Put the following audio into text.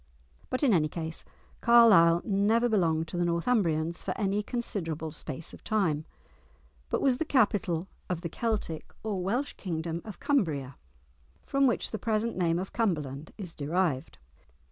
But in any case, Carlisle never belonged to the Northumbrians for any considerable space of time, but was the capital of the Celtic or Welsh kingdom of Cumbria, from which the present name of Cumberland is derived.